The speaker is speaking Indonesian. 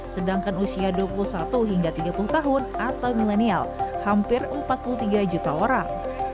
sedangkan usia dua puluh satu hingga tiga puluh tahun atau milenial hampir empat puluh tiga juta orang